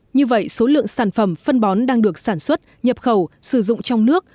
như vậy số lượng sản phẩm phân bón đang được sản xuất nhập khẩu sử dụng trong nước